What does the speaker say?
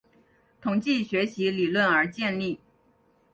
统计学习理论而建立。